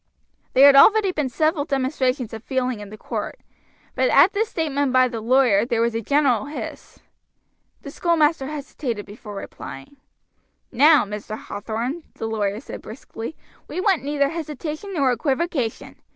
There had already been several demonstrations of feeling in court, but at this statement by the lawyer there was a general hiss. The schoolmaster hesitated before replying. "Now, Mr. Hathorn," the lawyer said briskly, "we want neither hesitation nor equivocation.